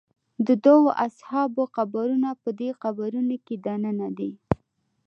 د دوو اصحابو قبرونه په دې قبرونو کې دننه دي.